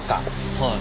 はい。